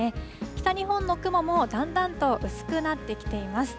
北日本の雲もだんだんと薄くなってきています。